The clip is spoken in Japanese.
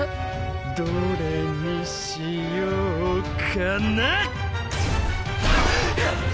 ど・れ・に・し・よ・う・か・な！ハッ！